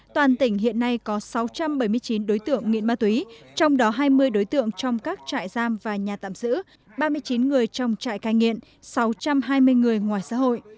toàn tỉnh hiện nay có sáu trăm bảy mươi chín đối tượng nghiện ma túy trong đó hai mươi đối tượng trong các trại giam và nhà tạm giữ ba mươi chín người trong trại cai nghiện sáu trăm hai mươi người ngoài xã hội